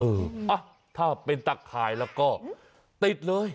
เอออ่ะถ้าเป็นตะข่ายแล้วก็ติดเลย